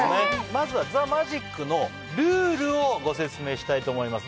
まずは『ＴＨＥＭＡＧＩＣ』のルールをご説明したいと思います。